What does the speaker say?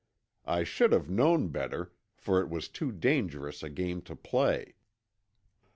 I should have known better, for it was too dangerous a game to play.